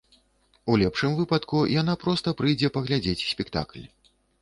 У лепшым выпадку яна проста прыйдзе паглядзець спектакль.